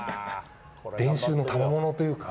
練習のたまものというか。